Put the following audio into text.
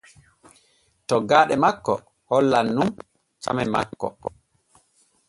Toggaaɗe makko hollan nun came makko.